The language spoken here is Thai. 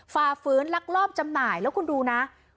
ฝ่าฝืนลักลอบจำหน่ายแล้วคุณดูนะ